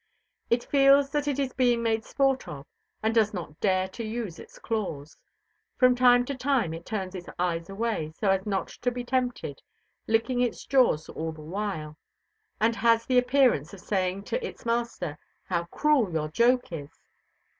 It feels that it is being made sport of, and does not dare to use its claws; from time to time it turns its eyes away so as not to be tempted, licking its jaws all the while, and has the appearance of saying to its master, "How cruel your joke is!"